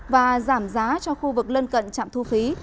và giảm giá cho khu vực lân cận trạm thu phí